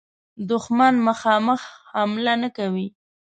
دښمن مخامخ حمله نه کوي.